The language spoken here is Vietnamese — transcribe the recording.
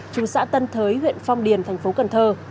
chú xã tân thới huyện phong điền thành phố cần thơ